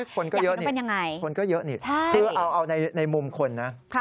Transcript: คนก็เยอะนี่คือเอาในมุมคนนะ